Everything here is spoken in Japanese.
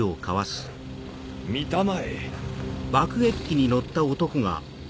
見たまえ。